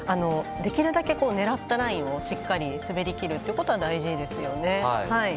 できるだけ狙ったラインをしっかり滑りきることが大事ですよね。